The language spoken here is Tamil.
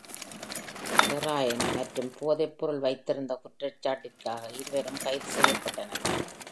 ஹெராயின் மற்றும் போதைப் பொருள் வைத்திருந்த குற்றச்சாட்டிற்காக இருவரும் கைது செய்யப்பட்டனர்.